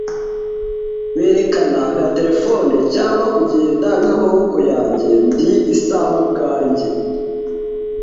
Berekana nka terefone cyangwa kugenda nkamaboko yanjye, Ndi isaha ubwanjye.